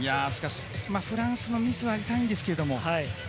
フランスのミスは痛いんですけれども。